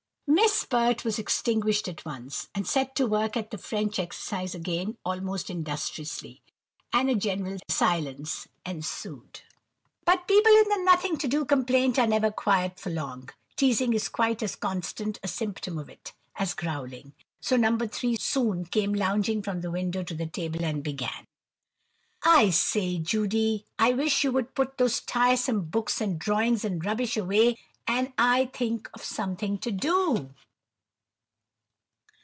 Miss Pert was extinguished at once, and set to work at the French exercise again most industriously, and a general silence ensued. But people in the nothing to do complaint are never quiet for long. Teazing is quite as constant a symptom of it, as growling, so No. 3 soon came lounging from the window to the table, and began:— "I say, Judy, I wish you would put those tiresome books, and drawings, and rubbish away, and I think of something to do."